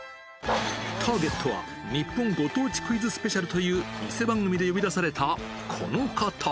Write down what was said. ターゲットは、日本ご当地クイズスペシャルという偽番組で呼び出されたこの方。